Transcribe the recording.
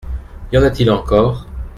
Y en a-t-il encore ?